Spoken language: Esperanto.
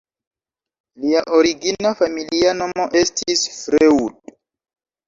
Lia origina familia nomo estis "Freud".